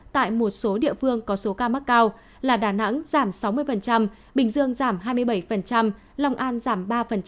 tại một số địa phương có số ca mắc cao là đà nẵng giảm sáu mươi bình dương giảm hai mươi bảy long an giảm ba